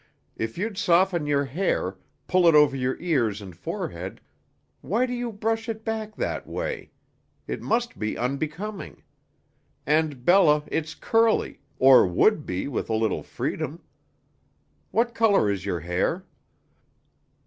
If you'd soften your hair, pull it over your ears and forehead Why do you brush it back that way? It must be unbecoming. And, Bella, it's curly, or would be with a little freedom. What color is your hair?"